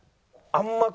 あんま